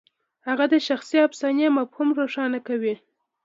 هغه د شخصي افسانې مفهوم روښانه کوي.